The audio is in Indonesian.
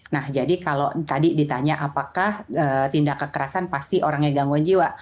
nah jadi kalau tadi ditanya apakah tindak kekerasan pasti orangnya gangguan jiwa